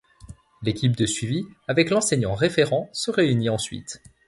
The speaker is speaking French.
L’équipe de suivi, avec l’enseignant référent, se réunit ensuite.